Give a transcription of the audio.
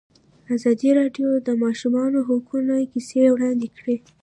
ازادي راډیو د د ماشومانو حقونه کیسې وړاندې کړي.